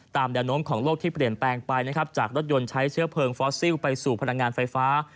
แนวโน้มของโลกที่เปลี่ยนแปลงไปนะครับจากรถยนต์ใช้เชื้อเพลิงฟอสซิลไปสู่พลังงานไฟฟ้า